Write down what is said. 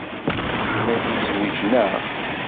Gma-k yezwej, naɣ?